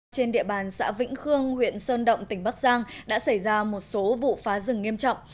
trên địa bàn xã vĩnh khương huyện sơn động tỉnh bắc giang đã xảy ra một số vụ phá rừng nghiêm trọng